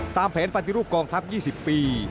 ตามแผนปฏิรูปกองทัพ๒๐ปี